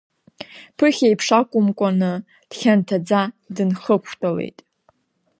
Ԥыхьеиԥш акәымкәаны, дхьанҭаӡа дынхықәтәалеит.